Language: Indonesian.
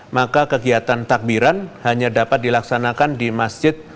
maka kegiatan takbiran hanya dapat dilaksanakan di masjid